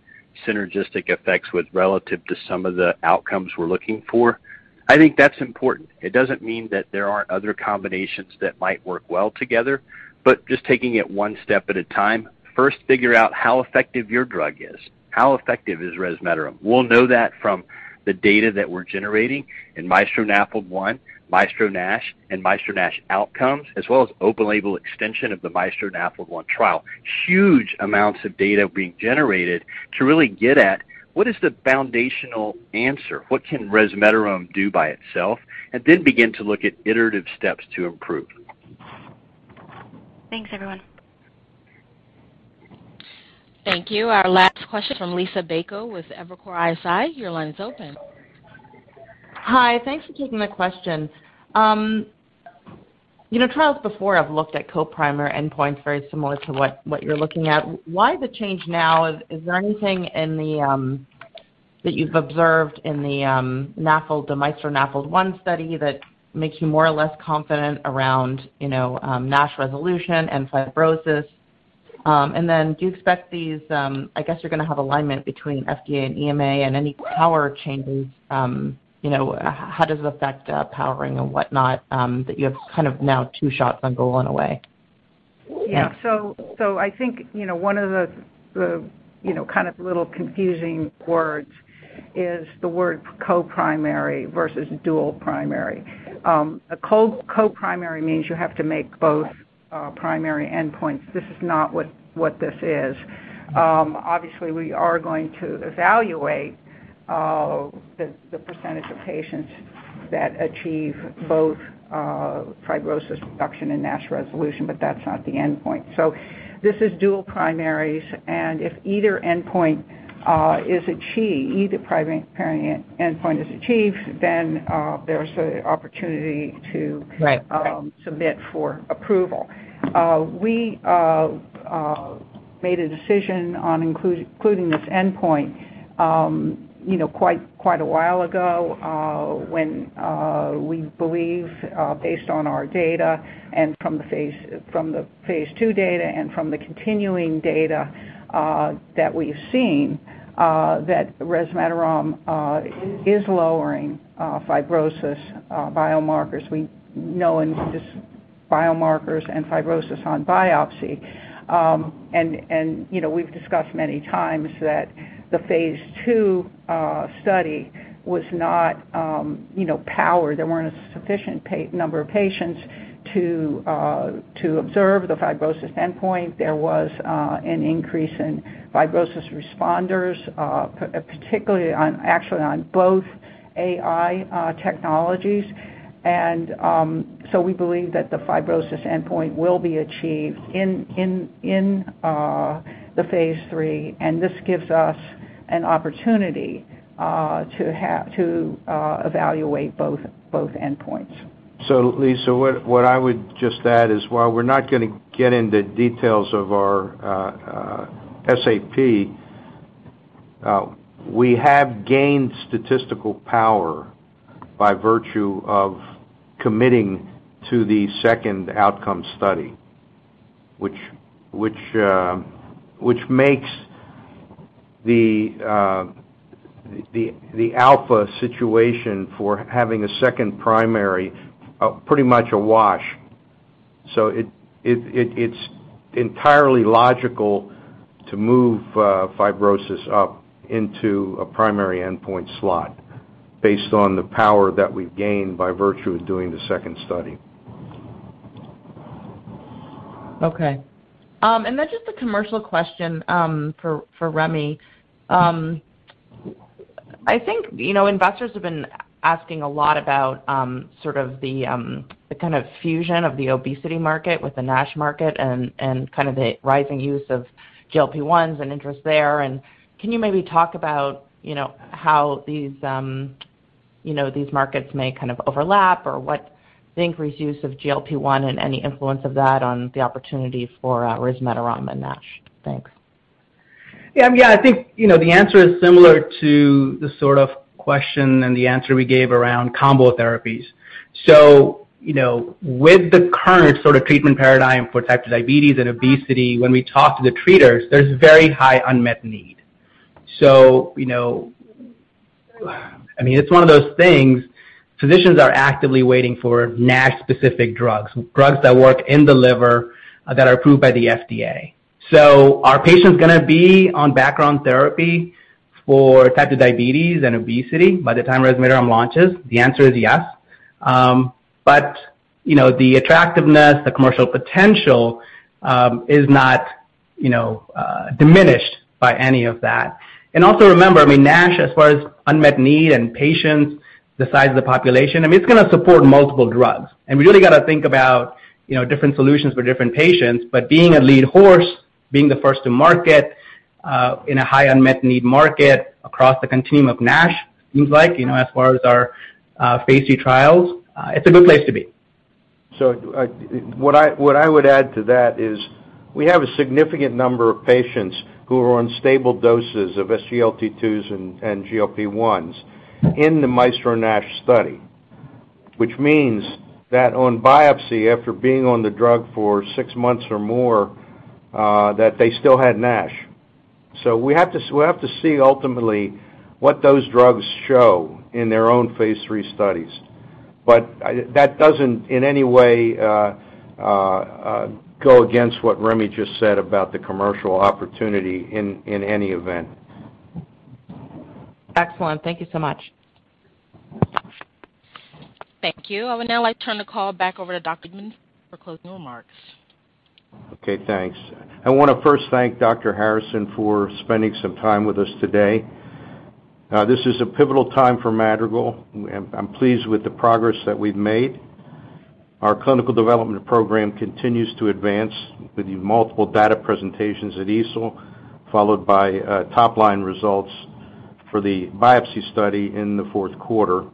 synergistic effects with relative to some of the outcomes we're looking for. I think that's important. It doesn't mean that there aren't other combinations that might work well together, but just taking it one step at a time. First, figure out how effective your drug is, how effective is resmetirom. We'll know that from the data that we're generating in MAESTRO-NAFLD-1, MAESTRO-NASH, and MAESTRO-NASH Outcomes, as well as open label extension of the MAESTRO-NAFLD-1 trial. Huge amounts of data being generated to really get at what is the foundational answer, what can resmetirom do by itself, and then begin to look at iterative steps to improve. Thanks, everyone. Thank you. Our last question from Liisa Bayko with Evercore ISI, your line's open. Hi. Thanks for taking my question. You know, trials before have looked at co-primary endpoints very similar to what you're looking at. Why the change now? Is there anything that you've observed in the NAFLD, the MAESTRO-NAFLD-1 study that makes you more or less confident around, you know, NASH resolution and fibrosis? Do you expect these? I guess you're gonna have alignment between FDA and EMA and any power changes, you know, how does it affect powering and whatnot, that you have kind of now two shots on goal in a way? Yeah. I think, you know, one of the you know kind of little confusing words is the word co-primary versus dual primary. A co-primary means you have to make both primary endpoints. This is not what this is. Obviously, we are going to evaluate the percentage of patients that achieve both fibrosis reduction and NASH resolution, but that's not the endpoint. This is dual primaries, and if either endpoint is achieved, either primary endpoint is achieved, then there's an opportunity to- Right. submit for approval. We made a decision on including this endpoint, you know, quite a while ago, when we believe, based on our data and from the phase II data and from the continuing data that we've seen, that resmetirom is lowering fibrosis biomarkers. We know in this biomarkers and fibrosis on biopsy. You know, we've discussed many times that the phase II study was not, you know, powered. There weren't a sufficient number of patients to observe the fibrosis endpoint. There was an increase in fibrosis responders, particularly actually on both AI technologies. We believe that the fibrosis endpoint will be achieved in the phase, and this gives us an opportunity to have to evaluate both endpoints. Liisa, what I would just add is while we're not gonna get into details of our SAP, we have gained statistical power by virtue of committing to the second outcome study, which makes the alpha situation for having a second primary pretty much a wash. It is entirely logical to move fibrosis up into a primary endpoint slot based on the power that we've gained by virtue of doing the second study. Okay. Just a commercial question for Remy. I think, you know, investors have been asking a lot about sort of the kind of fusion of the obesity market with the NASH market and kind of the rising use of GLP-1s and interest there. Can you maybe talk about, you know, how these, you know, these markets may kind of overlap or what the increased use of GLP-1 and any influence of that on the opportunity for resmetirom and NASH? Thanks. Yeah. I mean, I think, you know, the answer is similar to the sort of question and the answer we gave around combo therapies. You know, with the current sort of treatment paradigm for type 2 diabetes and obesity, when we talk to the treaters, there's very high unmet need. You know, I mean, it's one of those things physicians are actively waiting for NASH-specific drugs that work in the liver, that are approved by the FDA. Are patients gonna be on background therapy for type 2 diabetes and obesity by the time resmetirom launches? The answer is yes. You know, the attractiveness, the commercial potential, is not, you know, diminished by any of that. Also remember, I mean, NASH, as far as unmet need and patients, the size of the population, I mean, it's gonna support multiple drugs. We really gotta think about, you know, different solutions for different patients. Being a lead horse, being the first to market, in a high unmet need market across the continuum of NASH, seems like, you know, as far as our phase III trials, it's a good place to be. What I would add to that is we have a significant number of patients who are on stable doses of SGLT2s and GLP-1s in the MAESTRO-NASH study, which means that on biopsy, after being on the drug for six months or more, that they still had NASH. We have to see ultimately what those drugs show in their own phase III studies. But that doesn't in any way go against what Remy just said about the commercial opportunity in any event. Excellent. Thank you so much. Thank you. I would now like to turn the call back over to Dr. Friedman for closing remarks. Okay, thanks. I wanna first thank Dr. Harrison for spending some time with us today. This is a pivotal time for Madrigal. I'm pleased with the progress that we've made. Our clinical development program continues to advance with multiple data presentations at EASL, followed by top-line results for the biopsy study in the fourth quarter.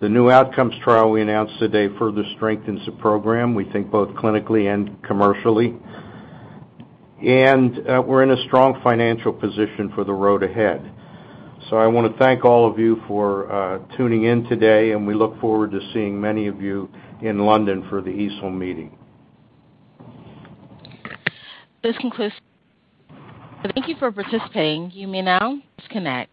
The new outcomes trial we announced today further strengthens the program, we think both clinically and commercially. We're in a strong financial position for the road ahead. I wanna thank all of you for tuning in today, and we look forward to seeing many of you in London for the EASL meeting. This concludes. Thank you for participating. You may now disconnect.